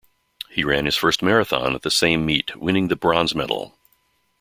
He ran his first marathon at the same meet winning the bronze medal.